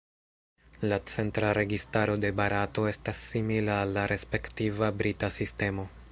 La centra registaro de Barato estas simila al la respektiva brita sistemo.